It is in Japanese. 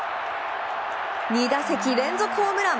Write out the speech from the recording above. ２打席連続ホームラン！